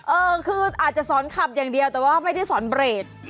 เออคืออาจจะสอนขับอย่างเดียวแต่ว่าไม่ได้สอนเบรก